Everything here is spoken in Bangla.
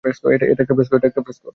এটা একটা ফ্রেস্কো!